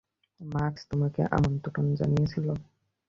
Max তোমাকে আমন্ত্রণ জানিয়েছিল?